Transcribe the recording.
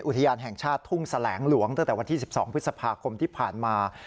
อุทยานแห่งชาติทุ่งแสลงหลวงตั้งแต่วันที่๑๒พฤษภาคมที่ผ่านมา